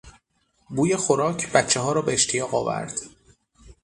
بوی خوراک بچهها را به اشتیاق آورد.